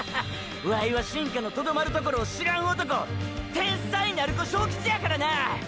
ワイは進化のとどまるところを知らん男天才鳴子章吉やからな！！